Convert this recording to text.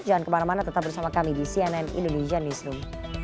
jangan kemana mana tetap bersama kami di cnn indonesian newsroom